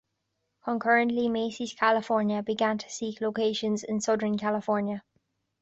Concurrently, Macy's California began to seek locations in Southern California.